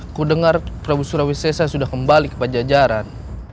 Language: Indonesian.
aku dengar prabu surawi seja sudah kembali ke pancacaran